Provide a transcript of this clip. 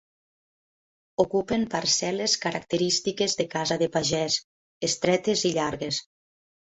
Ocupen parcel·les característiques de casa de pagès, estretes i llargues.